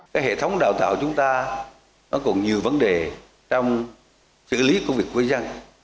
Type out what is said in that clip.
cái hệ thống đào tạo chúng ta nó còn nhiều vấn đề trong xử lý công việc quốc gia